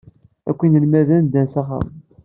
Akk inelmaden ddan s axxam.